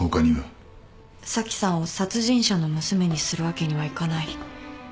紗季さんを殺人者の娘にするわけにはいかない。